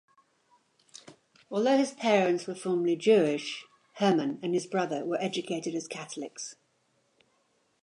Although his parents were formally Jewish, Hermann and his brother were educated as Catholics.